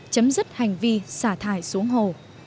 chấm dứt hành vi xả thải xuống hồ